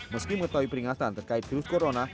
meski mengetahui peringatan terkait virus corona